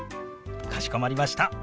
かしこまりました。